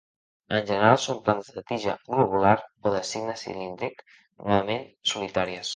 En general, són plantes de tija globular o de signe cilíndric, normalment solitàries.